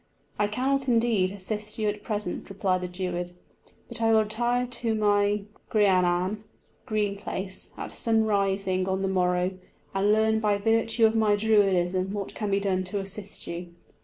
"I cannot, indeed, assist you at present," replied the Druid; "but I will retire to my grianan (green place) at sun rising on the morrow, and learn by virtue of my Druidism what can be done to assist you."